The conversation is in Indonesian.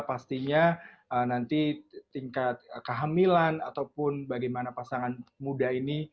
pastinya nanti tingkat kehamilan ataupun bagaimana pasangan muda ini